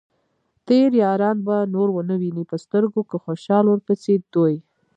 تېر ياران به نور ؤنه وينې په سترګو ، که خوشال ورپسې دوې